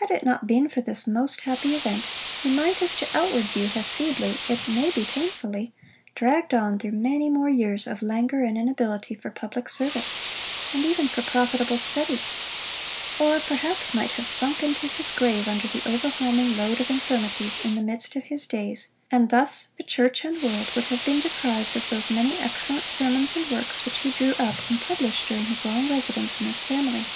Had it not been for this most happy event, he might as to outward view, have feebly, it may be painfully, dragged on through many more years of languor and inability for public service, and even for profitable study, or perhaps might have sunk into his grave under the overwhelming load of infirmities, in the midst of his days; and thus the church and world would have been deprived of those many excellent sermons and works which he drew up and published during his long residence in this family.